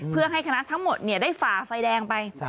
เพื่อให้คณะทั้งหมดได้ฝ่าไฟแดงไป